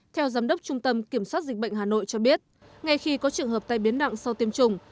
theo giám đốc trung tâm kiểm soát dịch bệnh hà nội cho biết ngay khi có trường hợp tai biến nặng sau tiêm chủng